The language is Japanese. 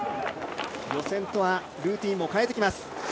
予選とはルーティンも変えてきます。